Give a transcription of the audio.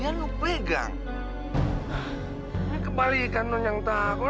iya kamu ayo gue masuk so weirdoh udah ngasah pasuled lagi ragky gitu juga eun screenshot trl